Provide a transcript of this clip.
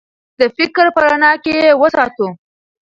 د فکر په رڼا کې یې وساتو.